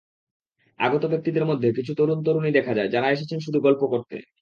আগত ব্যক্তিদের মধ্যে কিছু তরুণ-তরুণী দেখা যায়, যাঁরা এসেছেন শুধু গল্প করতে।